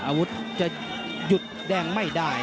อาวุธจะหยุดแดงไม่ได้